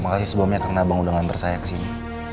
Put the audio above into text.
makasih sebelumnya karena bang udah ngantar saya kesini